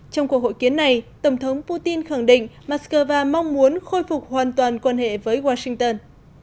trong cuộc hội kiến này tổng thống putin khẳng định moscow mong muốn khôi phục hoàn toàn quan hệ với washington